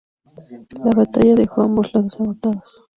La batalla dejó a ambos lados agotados.